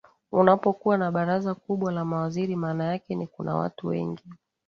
unapokuwa na baraza kubwa la mawaziri maana yake ni kuna watu wengi